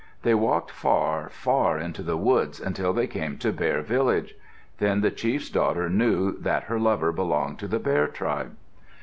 They walked far, far into the woods until they came to Bear village. Then the chief's daughter knew that her lover belonged to the Bear tribe.